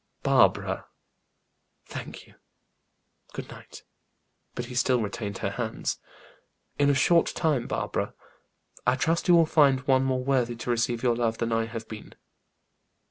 "Barbara!" "Thank you. Good night." But he still retained her hands. "In a short time, Barbara, I trust you will find one more worthy to receive your love than I have been."